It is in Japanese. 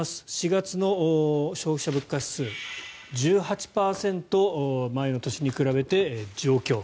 ４月の消費者物価指数１８％前の年に比べて上昇。